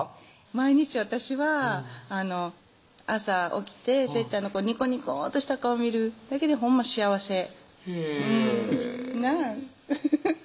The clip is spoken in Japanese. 毎日私は朝起きてせっちゃんのニコニコとした顔見るだけでほんま幸せへぇなぁフフフフッ